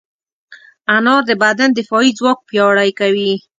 انار د بدن دفاعي ځواک پیاوړی کوي.